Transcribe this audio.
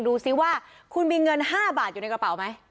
ดูซิว่าคุณมีเงิน๕บาทอยู่ในกระเป๋าไหม